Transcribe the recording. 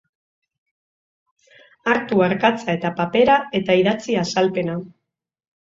Hartu arkatza eta papera eta idatzi azalpena.